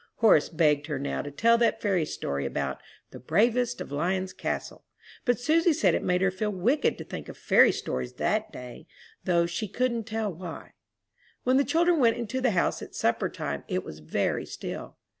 Horace begged her now to tell that fairy story about "The Bravest of Lion's Castle;" but Susy said it made her feel wicked to think of fairy stories that day, though she couldn't tell why. When the children went into the house at supper time it was very still.